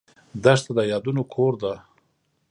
دښته د یادونو کور ده.